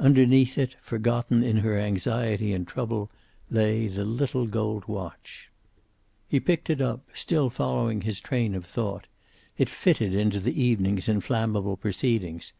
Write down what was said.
Underneath it, forgotten in her anxiety and trouble, lay the little gold watch. He picked it up, still following his train of thought. It fitted into the evening's inflammable proceedings.